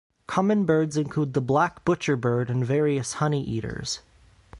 Common birds include the black butcherbird and various honeyeaters.